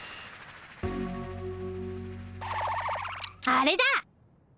あれだ！